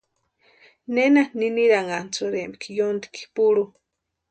¿Nena niniranhasïrempki yóntki purhu?